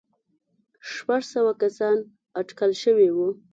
شپږ سوه کسان اټکل شوي وو.